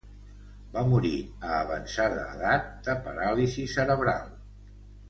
Va morir a avançada edat de paràlisi cerebral.